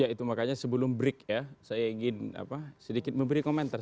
ya itu makanya sebelum break ya saya ingin sedikit memberi komentar